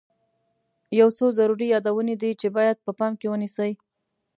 یو څو ضروري یادونې دي چې باید په پام کې ونیسئ.